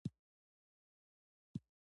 ایا ستاسو دښمن به ناکام شي؟